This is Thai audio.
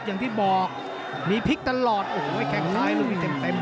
อย่างที่บอกมีพลิกตลอดโอ้โหเข้นทรายลูกไปเต็มเต็ม